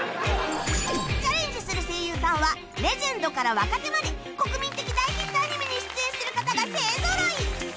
チャレンジする声優さんはレジェンドから若手まで国民的大ヒットアニメに出演する方が勢ぞろい！